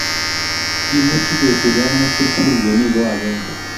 kimuchi ke sir kaimutik tugul kemi ko akenge